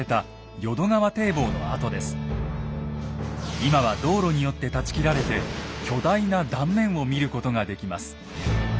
今は道路によって断ち切られて巨大な断面を見ることができます。